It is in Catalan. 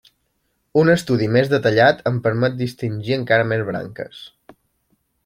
Un estudi més detallat ens permet distingir encara més branques.